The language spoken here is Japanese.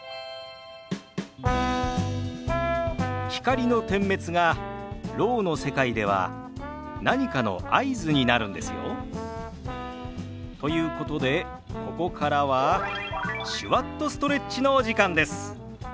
光の点滅がろうの世界では何かの合図になるんですよ。ということでここからは「手話っとストレッチ」のお時間です。